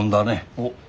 おっ。